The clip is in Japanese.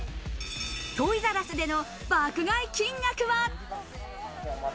トイザらスでの爆買い金額は？